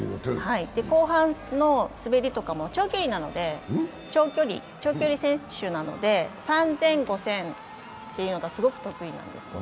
後半の滑りとかも、長距離選手なので、３０００、５０００というのがすごく得意なんですよ。